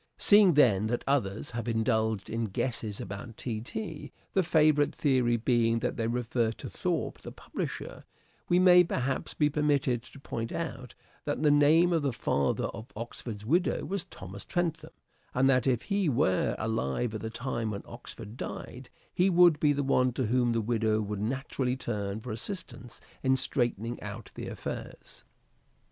Seeing, then, that others have indulged in guesses about T. T., the favourite theory being that they refer to Thorpe the publisher, we may perhaps be permitted to point out that the name of the father of Oxford's widow was Thomas Trentham, and that if he were alive at the time when Oxford died, he would be the one to whom the widow would naturally turn for assistance in straightening out the affairs.